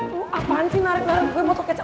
tuh apaan sih narik narik gue mau kecap